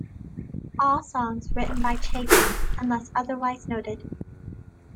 All songs written by Chapin unless otherwise noted.